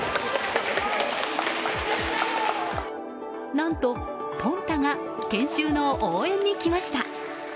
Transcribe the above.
何と、ポンタが研修の応援に来ました。